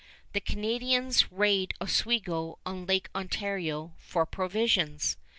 The Canadians raid Oswego on Lake Ontario for provisions.